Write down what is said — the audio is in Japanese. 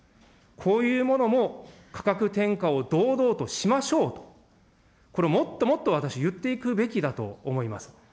こういうものも価格転嫁を堂々としましょうと、これをもっともっと私、言っていくべきだと思います。